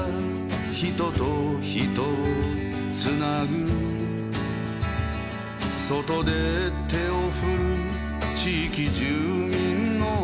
「人と人をつなぐ」「外で手を振る地域住民の」